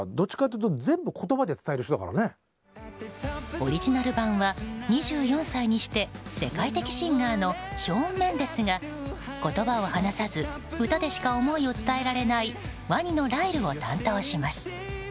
オリジナル版は２４歳にして世界的シンガーのショーン・メンデスが言葉を話さず歌でしか思いを伝えられないワニのライルを担当します。